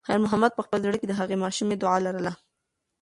خیر محمد په خپل زړه کې د هغې ماشومې دعا لرله.